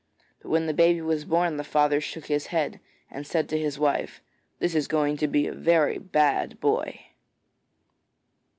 But when the baby was born the father shook his head and said to his wife: 'This is going to be a very bad boy.'